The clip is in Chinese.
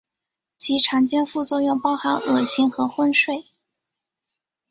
常见副作用包含恶心和昏睡。